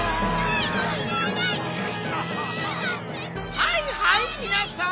はいはいみなさん